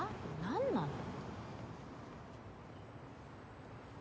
何なの。